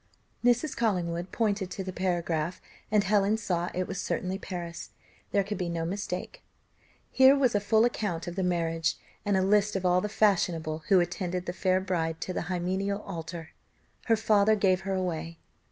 Mrs. Collingwood pointed to the paragraph, and Helen saw it was certainly Paris there could be no mistake. Here was a full account of the marriage, and a list of all "the fashionables who attended the fair bride to the hymeneal altar. Her father gave her away."